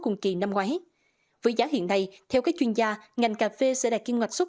cùng kỳ năm ngoái với giá hiện nay theo các chuyên gia ngành cà phê sẽ đạt kim ngạch xuất